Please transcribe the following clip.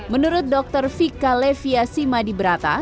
menurut dokter vika levia simadi brata